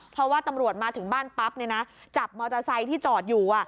เพราะว่าตำรวจมาถึงบ้านปั๊บเนี่ยนะจับมอเตอร์ไซค์ที่จอดอยู่